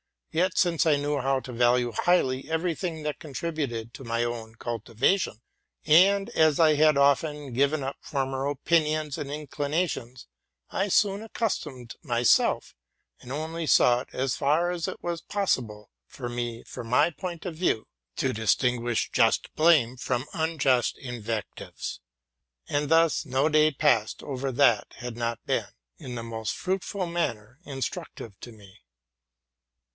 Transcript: Yet since I knew how to value highly every thing that contributed to my own cultivation, and as I had often given up former opinions and. inclinations, J soon accommodated myself, and only sought, as far as it was possible for me from my point of view, to distinguish just blame from unjust invectives. And thus no day passed that had not been, in the most fruitful manner, instructive to me.